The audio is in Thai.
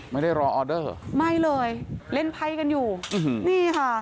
ไม่ได้รออออนเดอร์เหรอไม่เลยเล่นไปกันอยู่นี่ค่ะ